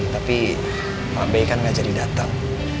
tapi pak be kan gak jadi datang